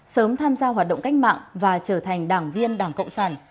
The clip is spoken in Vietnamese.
sớm tham gia hoạt động cách mạng và trở thành đảng viên đảng cộng sản